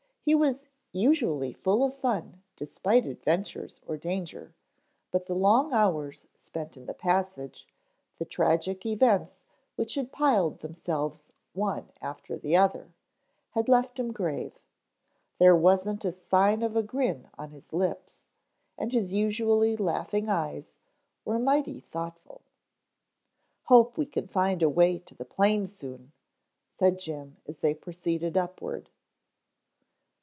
He was usually full of fun despite adventures or danger, but the long hours spent in the passage, the tragic events which had piled themselves one after the other, had left him grave. There wasn't a sign of a grin on his lips, and his usually laughing eyes were mighty thoughtful. "Hope we can find a way to the plane soon," said Jim as they proceeded upward.